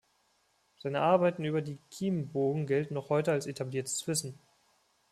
Seine Arbeiten über die Kiemenbogen gelten noch heute als etabliertes Wissen.